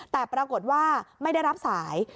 แต่ปรากฏว่าไม่ได้รับสาย